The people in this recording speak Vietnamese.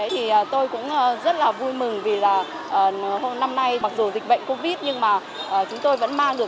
thì tôi cũng rất là vui mừng vì là hôm nay mặc dù dịch bệnh covid nhưng mà chúng tôi vẫn mang được